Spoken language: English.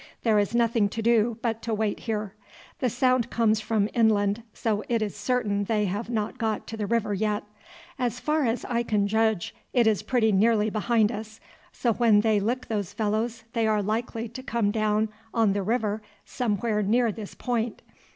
There is nothing to do but to wait here. The sound comes from inland, so it is certain they have not got to the river yet. As far as I can judge it is pretty nearly behind us, so when they lick those fellows they are likely to come down on the river somewhere near this point.